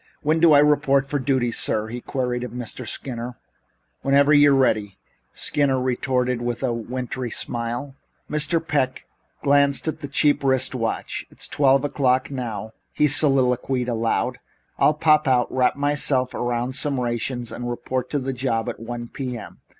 "When do I report for duty, sir?" he queried of Mr. Skinner. "Whenever you're ready," Skinner retorted with a wintry smile. Mr. Peck glanced at a cheap wrist watch. "It's twelve o'clock now," he soliloquized aloud. "I'll pop out, wrap myself around some rations and report on the job at one P.M.